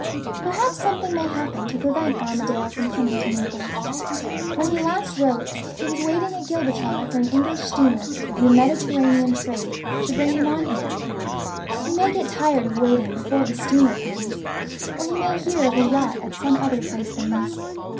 "Perhaps something may happen to prevent Armadale from coming to Naples? When he last wrote, he was waiting at Gibraltar for an English steamer in the Mediterranean trade to bring him on here. He may get tired of waiting before the steamer comes, or he may hear of a yacht at some other place than this.